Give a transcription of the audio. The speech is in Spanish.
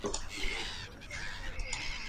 Su anfitrión es la bacteria Escherichia coli.